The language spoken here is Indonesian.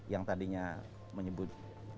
yang tadinya menyebut